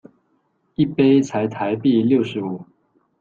一杯才台幣六十五